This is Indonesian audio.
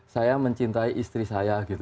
saya mencintai istri saya gitu